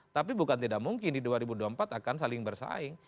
tapi bukan tidak mungkin di dua ribu dua puluh empat akan saling bersaing